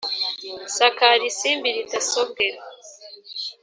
sakara isimbi ritasobwe